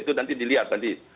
itu nanti dilihat nanti